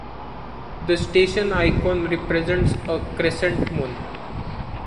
The station icon represents a crescent moon.